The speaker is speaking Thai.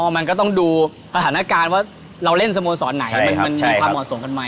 มันก็ต้องดูสถานการณ์ว่าเราเล่นสโมสรไหนมันมีความเหมาะสมกันไหม